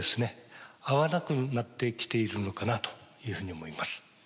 合わなくなってきているのかなというふうに思います。